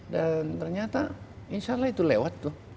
ternyata insya allah itu lewat tuh